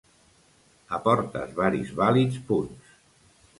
Aportes varis vàlids punts.